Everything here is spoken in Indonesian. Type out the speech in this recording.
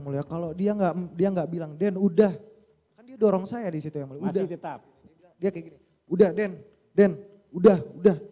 mau ngasih gowong sendiri untuk listrik rajaalin bahu